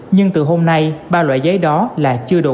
nhưng từ hôm nay ba loại giấy đó là chưa đủ